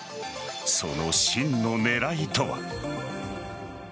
その真の狙いとは。